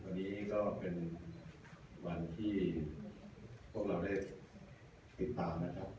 วันนี้ก็เป็นวันที่พวกเราได้ติดตามนะครับ